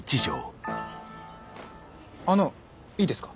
あのいいですか？